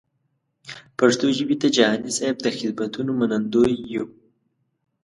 پښتو ژبې ته جهاني صېب د خدمتونو منندوی یو.